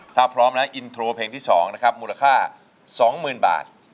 ถ้าพร้อมแล้วอินโทรเพลงที่๒นะครับมูลค่า๒๐๐๐บาท